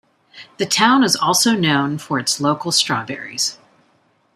The town is also known for its local strawberries.